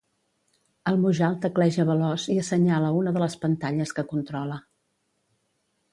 El Mujal tecleja veloç i assenyala una de les pantalles que controla.